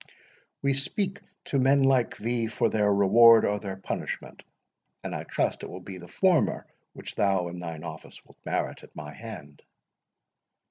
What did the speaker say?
We speak to men like thee for their reward or their punishment; and I trust it will be the former which thou in thine office wilt merit at my hand."